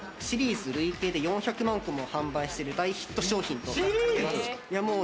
シリーズ累計で４００万個も販売している大ヒット商品です。